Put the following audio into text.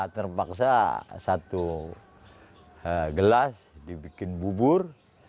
terpaksa satu gelas dibikin bubur